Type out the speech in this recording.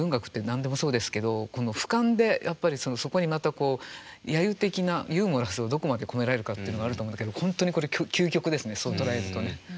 何でもそうですけどふかんでやっぱりそこにまたこう揶揄的なユーモラスをどこまで込められるかっていうのがあると思うんだけど本当にこれ究極ですねそう捉えるとね。